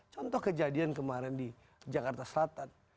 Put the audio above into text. contoh kejadian kemarin di jakarta selatan